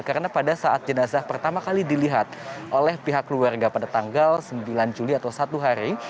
karena pada saat jenazah pertama kali dilihat oleh pihak keluarga pada tanggal sembilan juli atau satu hari